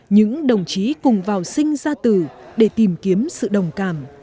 những đồng chí cùng vào sinh ra tử để tìm kiếm sự đồng cảm